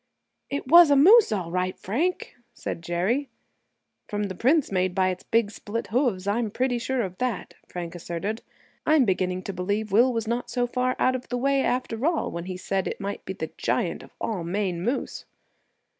"It was a moose, all right, Frank!" said Jerry. "From the prints made by its big split hoofs, I'm pretty sure of that," Frank asserted; "I'm beginning to believe Will was not so far out of the way, after all, when he said it might be the giant of all Maine moose!"